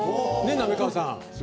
滑川さん。